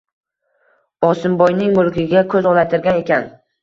Osimboyning mulkiga ko‘z olaytirgan ekan